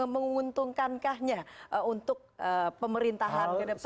menguntungkankahnya untuk pemerintahan ke depan